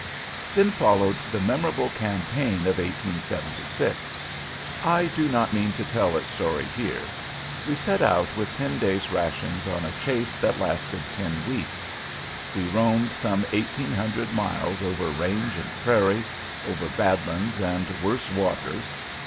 Then followed the memorable campaign of 1876. I do not mean to tell its story here. We set out with ten days' rations on a chase that lasted ten weeks. We roamed some eighteen hundred miles over range and prairie, over "bad lands" and worse waters.